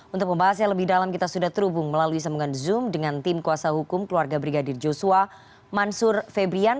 untuk pembahas yang lebih dalam kita sudah terhubung melalui sambungan zoom dengan tim kuasa hukum keluarga brigadir joshua mansur febrian